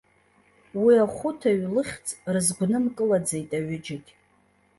Уи ахәыҭаҩ лыхьӡ рызгәнымкылаӡеит аҩыџьагь.